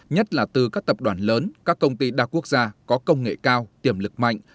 nhất là từ các tập đoàn lớn các công ty đa quốc gia có công nghệ cao tiềm lực mạnh